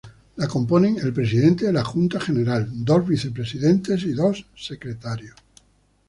La componen el Presidente de la Junta General, dos vicepresidentes y dos secretarios.